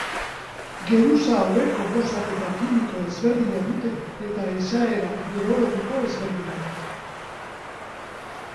Geruza hauek konposaketa kimiko ezberdina dute eta izaera geologiko ezberdina.